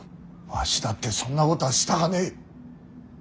わしだってそんなことはしたかねえ。